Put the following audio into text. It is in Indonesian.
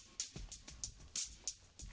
mandi dulu dong